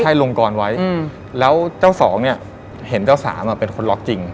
ให้ลงกรไว้แล้วเจ้าสองเนี่ยเห็นเจ้าสามอ่ะเป็นคนล็อกจริง